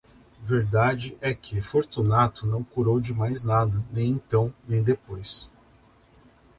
Verdade é que Fortunato não curou de mais nada, nem então, nem depois.